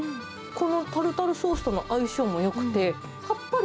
このタルタルソースとの相性もよ